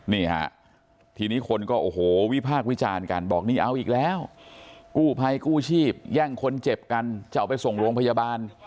นี่ฮะทีนี้คนก็โอ้โหวิพากษ์วิจารณ์กันบอกนี่เอาอีกแล้วกู้ภัยกู้ชีพแย่งคนเจ็บกันจะเอาไปส่งโรงพยาบาล